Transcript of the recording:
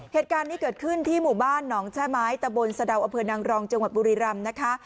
เหตุการณ์นี้เกิดขึ้นที่หมู่บ้านหนองแช่ไม้ตะบนสะดาวอำเภอนางรองจังหวัดบุรีรำนะคะ